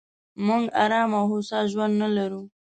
موږ ارام او هوسا ژوند نه لرو.